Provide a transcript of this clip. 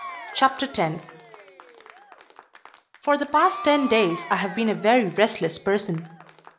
CHAPTER X For the past ten days I have been a very restless person.